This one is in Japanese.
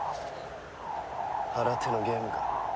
新手のゲームか。